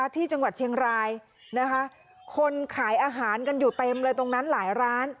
ที่จังหวัดเชียงรายนะคะคนขายอาหารกันอยู่เต็มเลยตรงนั้นหลายร้าน